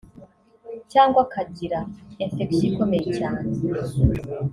cyangwa akagira “infection” ikomeye cyane